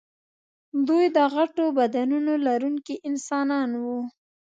دوی د غټو بدنونو لرونکي انسانان وو.